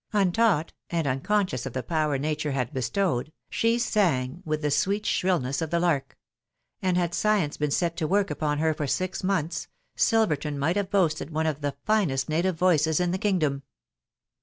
Untaught, and unconscious of the power nature had bestowed, she sang with the sweet shrillness of the lark ; and had science been set to work upon her for six months, Silverton might have boasted one of the finest native voices in the kingdom.